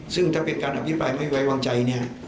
ซึ่งถ้าเป็นการอภิปรายไม่ไว้วางใจเนี่ย